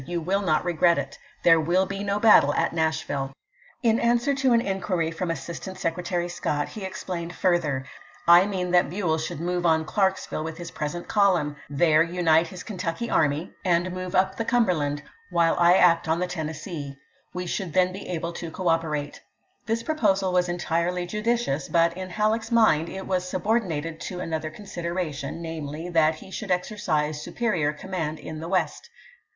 You wiU not regret it. There will be no battle at Nashville. In answer to an inquiry from Assistant Secre tary Scott, he explained further :" I mean that BueU should move on ClarksviUe with his present column J there unite his Kentucky army and move THE SHILOH CAMPAIGN 307 up the Cumberland, while I act on the Tennessee, ch. xviit. We should then be able to cooperate." This pro TifomasA. posal was entirely judicious, but in Halleck's Feb. 20, ■^. 1 1S62. W. R. mind it was subordinated to another considera voi. yii.. p. 642. tion, namely, that he should exercise superior command in the West.